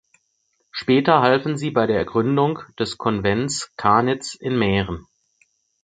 Später halfen sie bei der Gründung des Konvents Kanitz in Mähren.